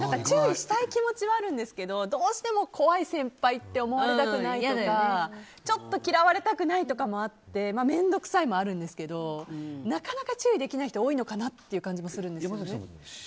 注意したい気持ちはあるんですけどどうしても、怖い先輩って思われたくないとかちょっと嫌われたくないとかもあって面倒くさいもあるんですけどなかなか注意できない人多いのかなって気もするんです。